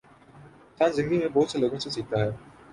انسان زندگی میں بہت سے لوگوں سے سیکھتا ہے۔